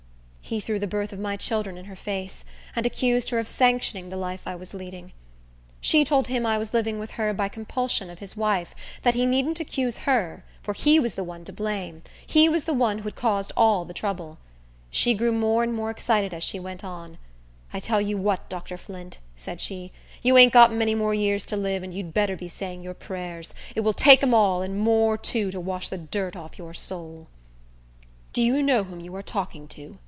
He threw the birth of my children in her face, and accused her of sanctioning the life I was leading. She told him I was living with her by compulsion of his wife; that he needn't accuse her, for he was the one to blame; he was the one who had caused all the trouble. She grew more and more excited as she went on. "I tell you what, Dr. Flint," said she, "you ain't got many more years to live, and you'd better be saying your prayers. It will take 'em all, and more too, to wash the dirt off your soul." "Do you know whom you are talking to?"